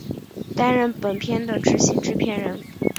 担任本片的执行制片人。